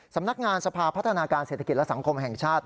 สำนักงานสภาพัฒนาการเศรษฐกิจและสังคมแห่งชาติ